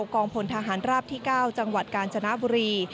กองพลทหารราบที่๙จังหวัดกาญจนบุรี